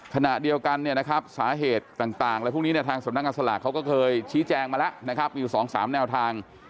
ขณะเดียวกันเนี่ยนะครับสาเหตุต่างอะไรพวกนี้ทางสำนักงานสลากเขาก็เคยชี้แจงมาแล้วนะครับมีอยู่๒๓แนวทาง